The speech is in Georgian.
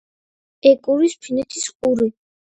ეკვრის ფინეთის ყურე.